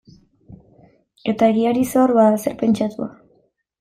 Eta egiari zor, bada zer pentsatua.